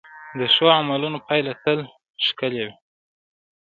د ښو عملونو پایله تل ښکلې وي.